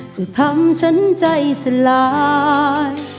จะทำฉันใจสลาย